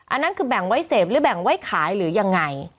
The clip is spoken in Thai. อันนั้นคือแบ่งไว้เสพหรือแบ่งไว้ขายหรือยังไง